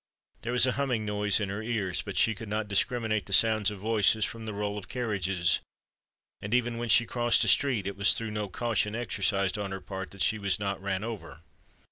There was a humming noise in her ears: but she could not discriminate the sounds of voices from the roll of carriages;—and even when she crossed a street, it was through no caution exercised on her part that she was not ran over.